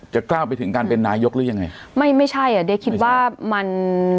กล้าวไปถึงการเป็นนายกหรือยังไงไม่ไม่ใช่อ่ะเดี๋ยวคิดว่ามัน